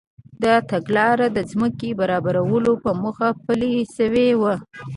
دا تګلاره د ځمکې برابرولو په موخه پلي شوې وه.